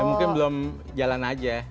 mungkin belum jalan aja